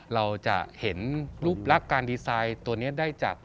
เราจะเห็นรูปลักษณ์การดีไซน์ตัวนี้ได้จาก